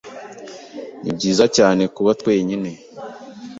Nibyiza cyane kuba twenyine.